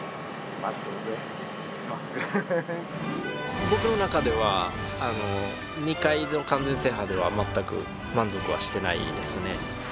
僕の中では２回の完全制覇では全く満足してないですね。